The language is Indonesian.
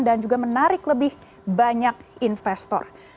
dan juga menarik lebih banyak investor